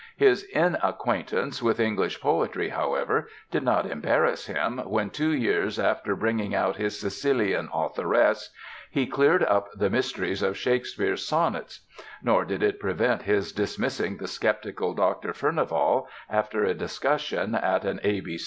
His inacquaintance with English poetry, however, did not embarrass him, when, two years after bringing out his Sicilian authoress, he cleared up the mysteries of Shakespeare's sonnets. Nor did it prevent his dismissing the skeptical Dr. Furnivall, after a discussion at an A.